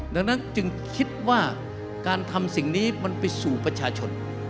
ดังนั้นจึงคิดว่าการทำสิ่งนี้มันไปสู่ประชาชน